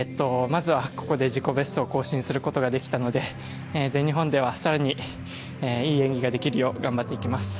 まずはここで自己ベストを更新することができたので全日本では更にいい演技ができるよう頑張っていきます。